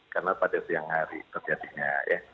karena pada siang hari terjadinya